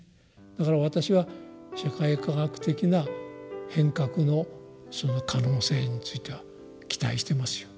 だから私は社会科学的な変革のその可能性については期待していますよ。